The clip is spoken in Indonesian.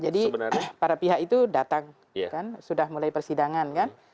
jadi para pihak itu datang kan sudah mulai persidangan kan